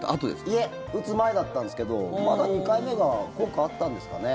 いえ打つ前だったんですけど２回目が効果あったんですかね。